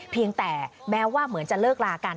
เพียงแต่แม้ว่าเหมือนจะเลิกลากัน